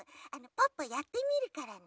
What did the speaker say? ポッポやってみるからね？